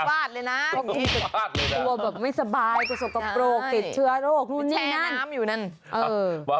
พลาดเลยนะ